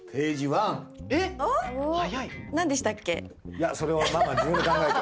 いやそれはママ自分で考えて。